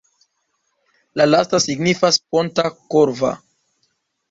La lasta signifas ponta-korva.